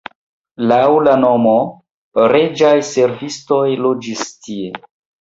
Laŭ la nomo reĝaj servistoj loĝis tie.